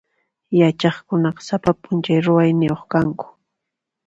Yachaqkunaqa sapa p'unchay ruwayniyuq kanku.